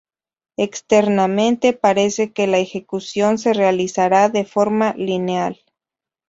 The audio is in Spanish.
Externamente parece que la ejecución se realizara de forma lineal.